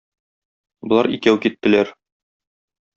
Болар икәү киттеләр.